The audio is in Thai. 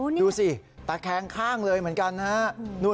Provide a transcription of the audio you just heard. ดูสิตะแคงข้างเลยเหมือนกันนะฮะ